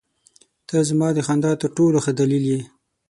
• ته زما د خندا تر ټولو ښه دلیل یې.